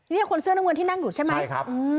นี่คนเสื้อน้ำเงินที่นั่งอยู่ใช่ไหมใช่ครับ